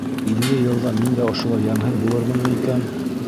Илле йылдан мин дә ошолай йәмһеҙ булырмынмы икән?